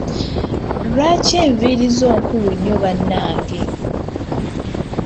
Lwaki enviiri zo nkulu nnyo bannange?